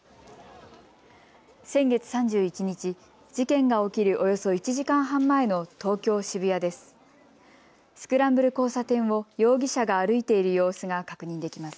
先月３１日、事件が起きるおよそ１時間半前の東京渋谷です。